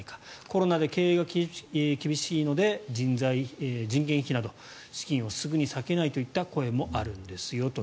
コロナで経営が厳しいので人件費など資金をすぐに割けないといった声もあるんですよと。